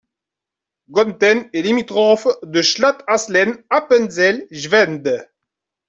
Gonten est limitrophe de Schlatt-Haslen, Appenzell, Schwende.